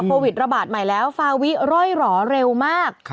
โควิดระบาดใหม่แล้วฟาวิร่อยหล่อเร็วมาก